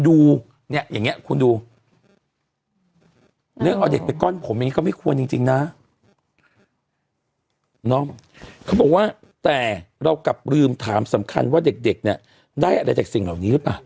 ได้อะไรจากสิ่งเหล่านี้หรือเปล่า